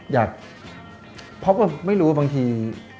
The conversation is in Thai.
อยากเพราะไม่รู้ว่าบางที